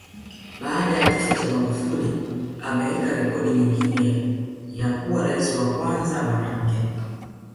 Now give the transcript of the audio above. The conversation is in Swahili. Baada ya kifo cha Magufuli ameweka rekodi nyingine ya kuwa Rais wa kwanza mwanamke